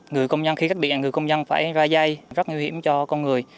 người công nhân khi khắc định người công nhân phải ra dây rất nguy hiểm cho con người